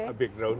jadi a big drone